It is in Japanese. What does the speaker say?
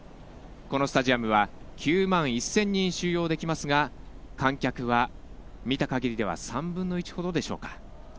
このスタジアムは９万１０００人収容できますが観客は見たかぎりでは３分の１ほどでしょうか。